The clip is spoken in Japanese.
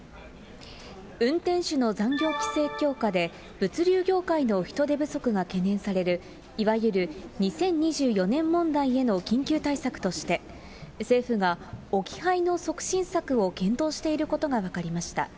運転手の残業規制強化で、物流業界の人手不足が懸念される、いわゆる２０２４年問題への緊急対策として、政府が、置き配の促進策を検討していることが分かりました。